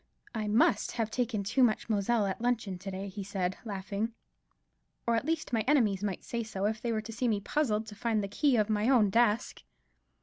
"I must have taken too much Moselle at luncheon to day," he said, laughing, "or, at least, my enemies might say so, if they were to see me puzzled to find the key of my own desk."